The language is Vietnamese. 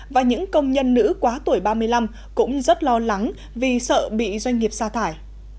và những công nhân nữ quá tuổi ba mươi năm cũng rất lo lắng vì sợ bị doanh nghiệp xa thải